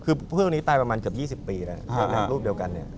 คือเพื่อนนี้ตายประมาณเกือบ๒๐ปีแล้วรูปเดียวกัน